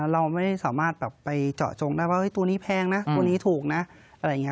เราไม่สามารถไปเจาะจงได้ว่าตัวนี้แพงนะตัวนี้ถูกนะ